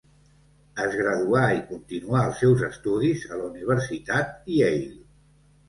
Es graduà i continuà els seus estudis a la Universitat Yale.